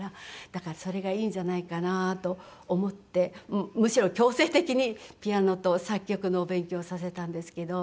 だからそれがいいんじゃないかなと思ってむしろ強制的にピアノと作曲のお勉強をさせたんですけど。